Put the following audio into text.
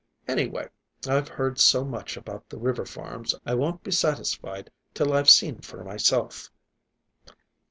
Anyway, I've heard so much about the river farms, I won't be satisfied till I've seen for myself."